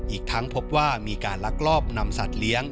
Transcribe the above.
อีกทั้งพบว่ามีการลักลอบนำสัตว์เลี้ยง